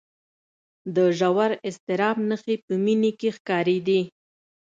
د ژور اضطراب نښې په مينې کې ښکارېدې